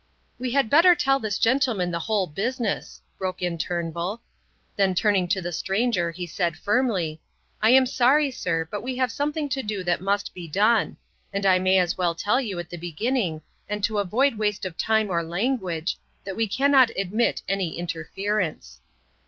"We had better tell this gentleman the whole business," broke in Turnbull. Then turning to the stranger he said firmly, "I am sorry, sir, but we have something to do that must be done. And I may as well tell you at the beginning and to avoid waste of time or language, that we cannot admit any interference."